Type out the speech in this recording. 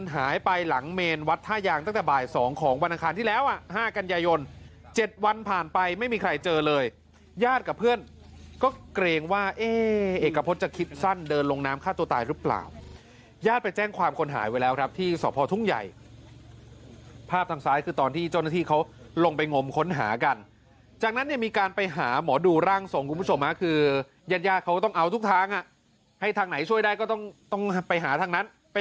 หายไปตั้งเจ็ดวันเห็นบอกน้อยใจไม่รู้น้อยใจอะไร